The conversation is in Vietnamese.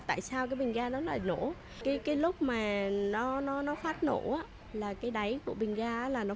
tại sao cái bình garmini nó lại nổ cái lúc mà nó nó nó phát nổ á là cái đáy của bình garmini là nó